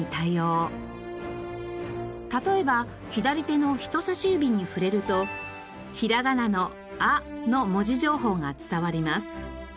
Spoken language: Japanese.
例えば左手の人さし指に触れると平仮名の「あ」の文字情報が伝わります。